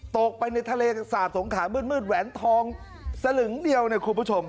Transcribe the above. ตกไปในทะเลสาบสงขามืดแหวนทองสลึงเดียวเนี่ยคุณผู้ชม